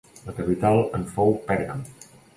La capital en fou Pèrgam.